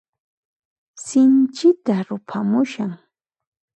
Sinchita ruphamushan.